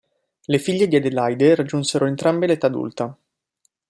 Le figlie di Adelaide raggiunsero entrambe l'età adulta.